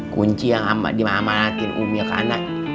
kunci yang dimahaminin umiya ke aneh